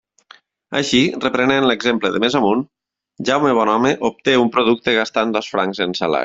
Així, reprenent l'exemple de més amunt, Jaume Bonhome obté un producte gastant dos francs en salari.